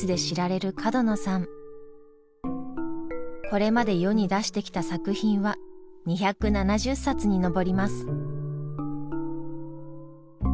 これまで世に出してきた作品は２７０冊に上ります。